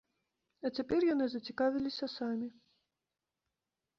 А цяпер яны зацікавіліся самі.